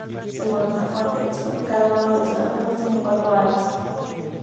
Según otra fuente, es porque cada uno de los carpelos tiene cuatro alas.